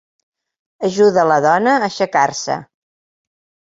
Ajuda la dona a aixecar-se.